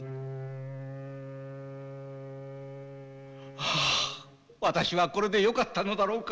はあ私はこれでよかったのだろうか。